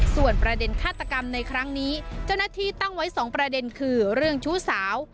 ส่วนประเด็นฆาตกรรมในครั้งนี้เจ้าหน้าที่ตั้งไว้๒ประเด็นคือเรื่องชู้สาว